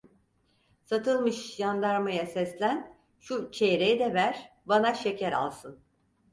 Satılmış, jandarmaya seslen, şu çeyreği de ver, bana şeker alsın!